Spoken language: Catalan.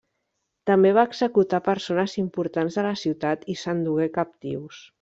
També va executar persones importants de la ciutat i s’endugué captius.